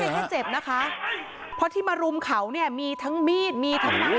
แค่เจ็บนะคะเพราะที่มารุมเขาเนี่ยมีทั้งมีดมีทั้งไม้